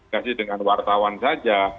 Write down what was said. kasih dengan wartawan saja